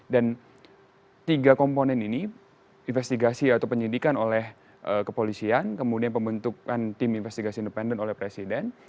dan tiga komponen ini investigasi atau penyelidikan oleh kepolisian kemudian pembentukan tim investigasi independen oleh presiden